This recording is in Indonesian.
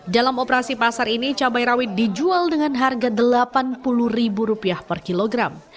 dalam operasi pasar ini cabai rawit dijual dengan harga rp delapan puluh per kilogram